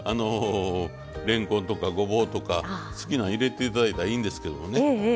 れんこんとかごぼうとか好きなん入れていただいたらいいんですけどもね